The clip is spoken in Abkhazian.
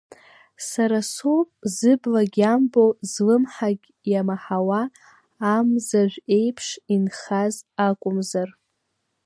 Сара соуп, зыблагьы иамбо, злымҳагьы иамаҳауа, амзажә еиԥш инхаз акәымзар.